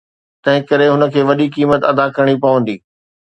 تنهنڪري هن کي وڏي قيمت ادا ڪرڻي پوندي.